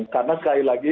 karena sekali lagi